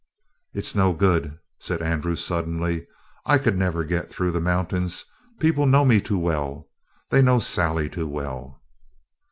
"It's no good," said Andy suddenly. "I could never get through the mountains. People know me too well. They know Sally too well."